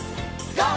ＧＯ！